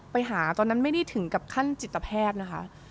ตอนนั้นไม่ได้ถึงกับขั้นจิตแพทย์นะคะ